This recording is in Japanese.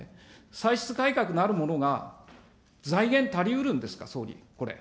歳出改革のあるものが、財源足りうるんですか、総理、これ。